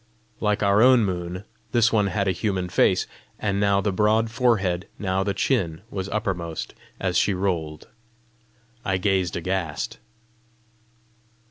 Like our own moon, this one had a human face, and now the broad forehead now the chin was uppermost as she rolled. I gazed aghast.